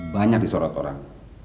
banyak disorot orang